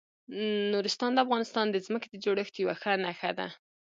نورستان د افغانستان د ځمکې د جوړښت یوه ښه نښه ده.